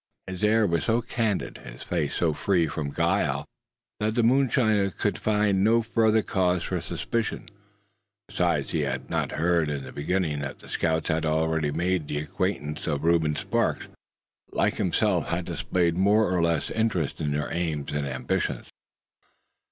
His air was so candid, and his face so free from guile that the moonshiner could find no further cause for suspicion. Besides, had he not heard in the beginning that the scouts had already made the acquaintance of Reuben Sparks; who, like himself had displayed more or less interest in their aims and ambitions.